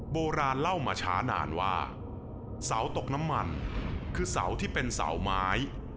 โบราณเล่ามาช้านานว่าเสาตกน้ำมันคือเสาที่เป็นเสาไม้